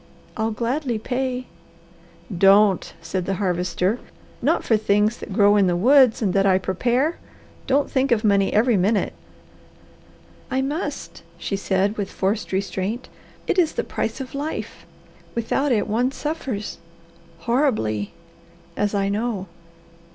I'll gladly pay " "Don't!" said the Harvester. "Not for things that grow in the woods and that I prepare. Don't think of money every minute." "I must," she said with forced restraint. "It is the price of life. Without it one suffers horribly as I know.